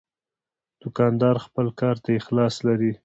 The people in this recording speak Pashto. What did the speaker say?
دوکاندار خپل کار ته اخلاص لري.